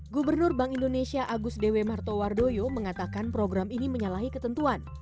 gubernur bank indonesia agus dewi martowardoyo mengatakan program ini menyalahi ketentuan